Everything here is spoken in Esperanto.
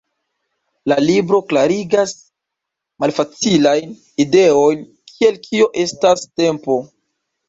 La libro klarigas malfacilajn ideojn, kiel "kio estas tempo?